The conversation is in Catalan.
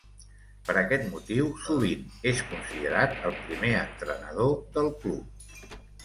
Per aquest motiu sovint és considerat el primer entrenador del club.